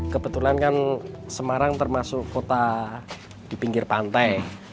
kebetulan kan semarang termasuk kota di pinggir pantai